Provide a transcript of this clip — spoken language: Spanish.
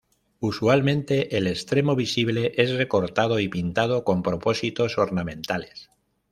Usualmente el extremo visible es recortado y pintado con propósitos ornamentales.